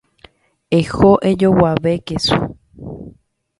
Eho ejoguave kesu.